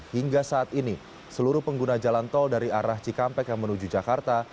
hingga saat ini seluruh pengguna jalan tol dari arah cikampek yang menuju jakarta